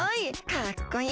かっこいい！